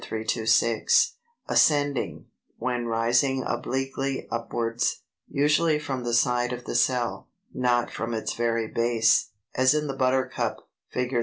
326), Ascending, when rising obliquely upwards, usually from the side of the cell, not from its very base, as in the Buttercup (Fig.